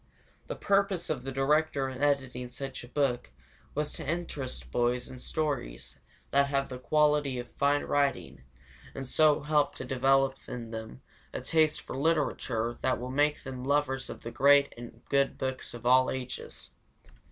The purpose of the director in editing such a book was to interest boys in stories that have the quality of fine writing, and so help to develop in them a taste for literature that will make them lovers of the great and good books of all ages.